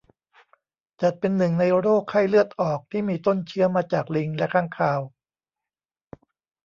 จัดเป็นหนึ่งในโรคไข้เลือดออกที่มีต้นเชื้อมาจากลิงและค้างคาว